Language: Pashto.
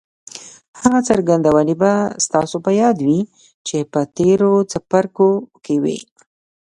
هغه څرګندونې به ستاسې په ياد وي چې په تېرو څپرکو کې وې.